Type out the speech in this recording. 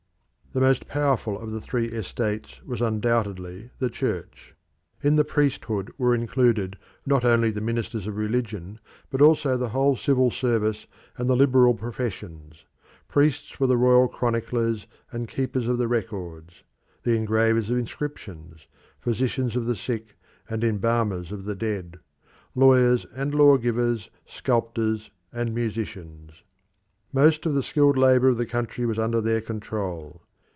The most powerful of the three estates was undoubtedly the Church. In the priesthood were included not only the ministers of religion, but also the whole civil service and the liberal professions. Priests were the royal chroniclers and keepers of the records, the engravers of inscriptions, physicians of the sick and embalmers of the dead, lawyers and lawgivers, sculptors and musicians. Most of the skilled labour of the country was under their control.